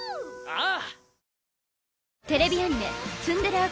ああ！